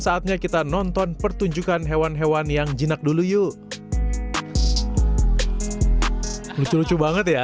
saatnya kita nonton pertunjukan hewan hewan yang jinak dulu yuk lucu lucu banget ya